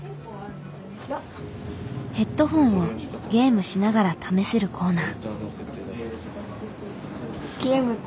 ヘッドホンをゲームしながら試せるコーナー。